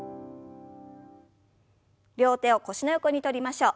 両手を腰の横に取りましょう。